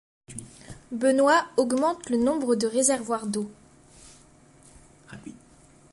Benoit augmente le nombre de réservoirs d'eau.